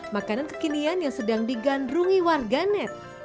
makanan kekinian yang sedang digandrungi warga net